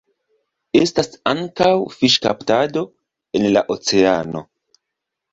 Estas ankaŭ fiŝkaptado en la oceano.